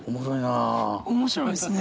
面白いですね。